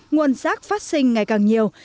nguồn rác phát sinh ngày càng nhiều